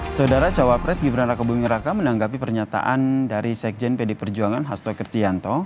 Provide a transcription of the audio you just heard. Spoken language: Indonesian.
saudara cawapres gibran raka buming raka menanggapi pernyataan dari sekjen pd perjuangan hasto kristianto